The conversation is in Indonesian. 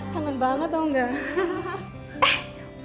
sangat banget tau gak